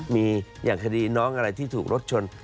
มีอย่างคดีน้องอะไรที่ถูกรถชน